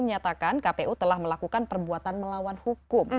menyatakan kpu telah melakukan perbuatan melawan hukum